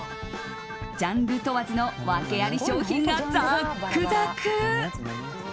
ジャンル問わずのワケあり商品がザックザク。